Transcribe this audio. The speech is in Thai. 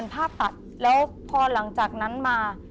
พอหลังจากนั้นมา